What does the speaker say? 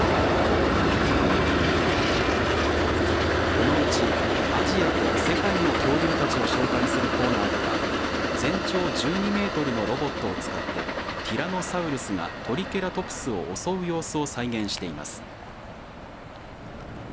このうちアジアと世界の恐竜たちを紹介するコーナーでは全長１２メートルのロボットを使ってティラノサウルスがトリケラトプスを襲う様子を再現しています。